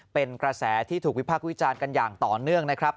เป็นกระแสที่ถูกวิพากษ์วิจารณ์กันอย่างต่อเนื่องนะครับ